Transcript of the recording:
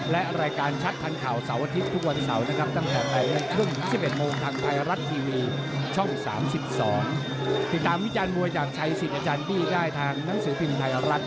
ในรายการช้าวเขาชัดโซเชียลทุกวันจันทร์สุขเวลา๑๕๐๐๙๐๐นและ